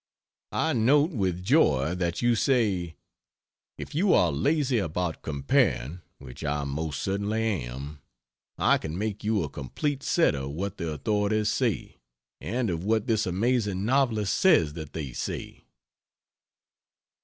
I note with joy that you say: "If you are lazy about comparing, (which I most certainly am), I can make you a complete set of what the authorities say, and of what this amazing novelist says that they say."